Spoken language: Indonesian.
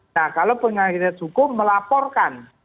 nah kalau penyiasat hukum melaporkan